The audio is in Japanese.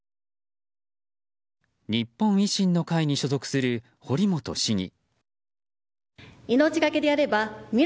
日本維新の会に所属する堀本市議。